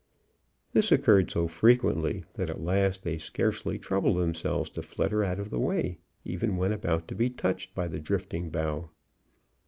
This occurred so frequently, that at last they scarcely troubled themselves to flutter out of the way, even when about to be touched by the drifting bough.